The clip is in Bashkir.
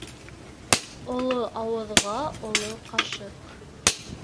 Оло ауыҙға оло ҡашыҡ.